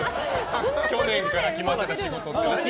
去年から決まってた仕事って。